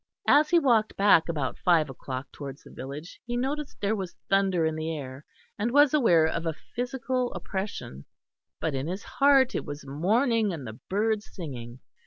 As he walked back about five o'clock towards the village he noticed there was thunder in the air, and was aware of a physical oppression, but in his heart it was morning and the birds singing.